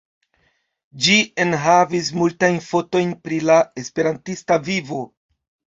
Ĝi enhavis multajn fotojn pri la Esperantista vivo.